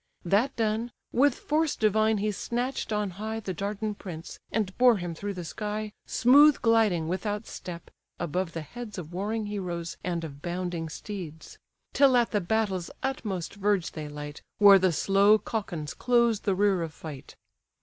That done, with force divine he snatch'd on high The Dardan prince, and bore him through the sky, Smooth gliding without step, above the heads Of warring heroes, and of bounding steeds: Till at the battle's utmost verge they light, Where the slow Caucans close the rear of fight.